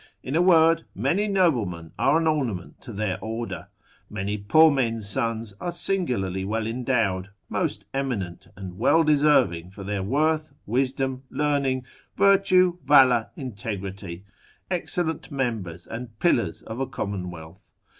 In a word, many noblemen are an ornament to their order: many poor men's sons are singularly well endowed, most eminent, and well deserving for their worth, wisdom, learning, virtue, valour, integrity; excellent members and pillars of a commonwealth.